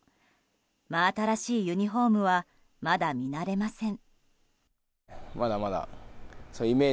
真新しいユニホームはまだ見慣れません。